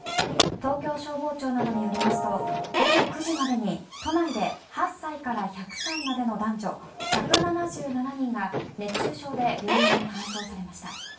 東京消防庁などによりますと午後９時までに都内で８歳から１００歳までの男女１７７人が熱中症で病院に搬送されました。